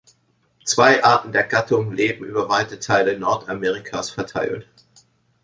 Zwei Arten der Gattung leben über weite Teile Nordamerikas verteilt.